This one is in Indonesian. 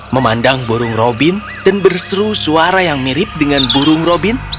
memandang burung robin dan berseru suara yang mirip dengan burung robin